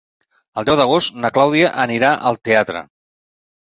El deu d'agost na Clàudia anirà al teatre.